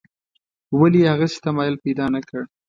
ولې یې هغسې تمایل پیدا نکړ.